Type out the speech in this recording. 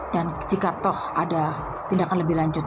dan jika toh ada tindakan lebih lanjut